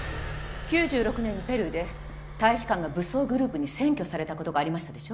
９６年にペルーで大使館が武装グループに占拠されたことがありましたでしょ？